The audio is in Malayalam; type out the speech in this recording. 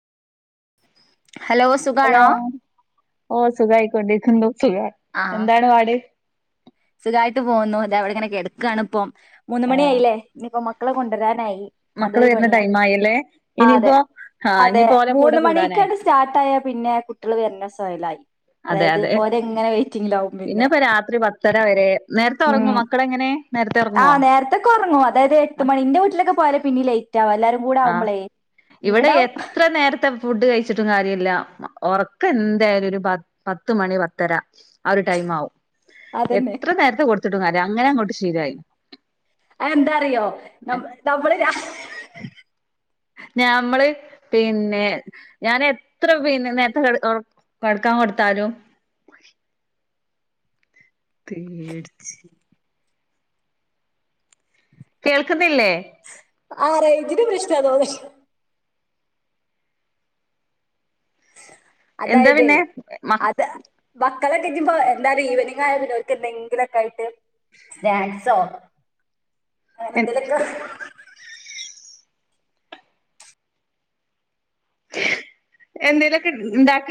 ഹലോസ് ഹലോം. ഓഹ് സുഖായിക്കൊണ്ടിരിക്കുന്നു. സുഖാ. ആഹ് എന്താണ് വാട്. സുഖായിട്ട് പോന്നു. താ വടെങ്ങനെ കെടക്കാണ്പ്പം. മൂന്ന് ആഹ് മണിയായിലെ നിപ്പം മക്കളെ കൊണ്ടരാനായി. മക്കള് അതൊരു വരുന്ന പണിയാ. ടൈം ആയല്ലേ ആഹ് അതെ. ഇനിയിപ്പോ ആഹ് അതെ ഇനിയിപ്പോ ഓലെ കൂടെ മൂന്ന് കൂടാനായി മണിക്കാണ്ട് ‌ സ്റ്റാർട്ടായ പിന്നെ ട്ട്യള് വെര്നെ സ്വയലായി. അതെ അതായത് അതെ ഓരങ്ങനെ വെയ്റ്റിങ്ങിലാവും പിന്നെ. ത്തര വേരേ. നേരത്തെ ഒറങ്ങോ മക്കളെങ്ങനെ? നേരത്തെ ഉറങ്ങുവോ ആഹ്. നേരത്തെ ക്കൊർങ്ങും. അതയത് എട്ട് മണി. ന്റെവീട്ട്ലൊക്കെ പോയാല് പിന്നിം ലെയ്റ്റാവാ. എല്ലാരും കൂടെ ആഹ്. ആവുമ്പളേ ഇവടെ ഇവിടാവുമ്പോ എത്ര നേരത്തെ ഫുഡ് കഴിച്ചിട്ടും കാര്യല്ല ഉറക്കെന്തായാലും ഒരു പത്ത് മണി പത്തര ആ ഒരു ടൈം ആവും അതന്നെ എത്ര നേരത്തെ കൊടുത്തിട്ടും കാര്യല്ല അങ്ങനെ അങ്ങോട്ട് ശീലായി അയ്എന്താറിയോ ന നമ്മള് രാ ഞാമ്മള് പിന്നെ ഞാൻ എത്ര പിന്നെ നേരത്തെ ഒറ കടക്കാൻ കൊടുത്താലും പേടിച്ച് കേൾക്കുന്നില്ലേ ആ റെയ്ഞ്ചിന്റെ പ്രശ്നതോന്ന് എന്താ അതായത് പിന്നെ മ അത് മക്കളൊക്കെ ഇയ്യുമ്പ എന്തായാലു ഈവനിങ് ആയ പിനെ ഒർക്ക് എന്തെങ്കിലും ഒക്കെ ആയിട്ട് സ്നാക്സോ അങ്ങനെ എ എന്തോലെക്കെ എന്തെയ്ലൊക്കെ ഇണ്ടാക്ക